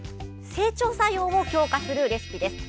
整腸作用を強化するレシピです。